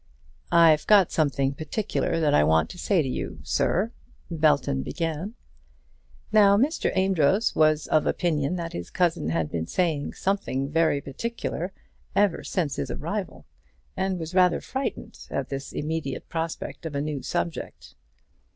"I've got something particular that I want to say to you, sir," Belton began. Now Mr. Amedroz was of opinion that his cousin had been saying something very particular ever since his arrival, and was rather frightened at this immediate prospect of a new subject.